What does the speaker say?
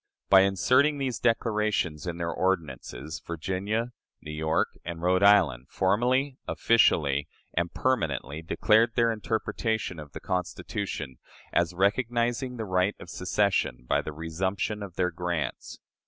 By inserting these declarations in their ordinances, Virginia, New York, and Rhode Island, formally, officially, and permanently, declared their interpretation of the Constitution as recognizing the right of secession by the resumption of their grants.